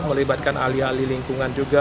melibatkan alih alih lingkungan juga